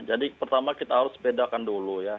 jadi pertama kita harus bedakan dulu ya